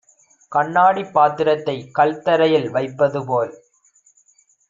கண்ணாடிப் பாத்திரத்தைக் கல்தரையில் வைப்பதுபோல்